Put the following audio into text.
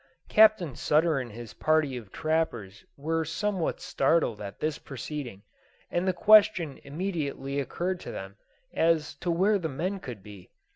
Captain Sutter and his party of trappers were somewhat startled at this proceeding, and the question immediately occurred to them as to where the men could be.